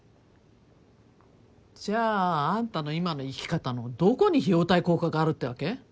じゃああんたの今の生き方のどこに費用対効果があるってわけ？